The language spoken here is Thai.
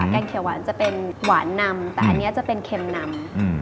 แกงเขียวหวานจะเป็นหวานนำแต่อันนี้จะเป็นเค็มนำ